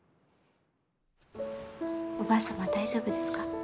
おばあ様大丈夫ですか？